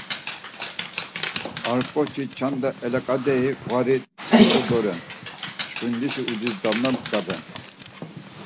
Ar ǩoçi çanta elaǩideri, ğvari diyu doren, çxindişi uciz damla daben.